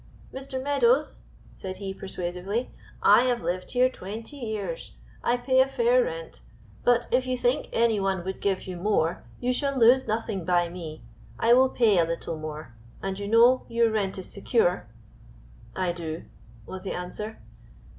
"Mr. Meadows," said he persuasively, "I have lived there twenty years I pay a fair rent but, if you think any one would give you more you shall lose nothing by me I will pay a little more; and you know your rent is secure?" "I do," was the answer.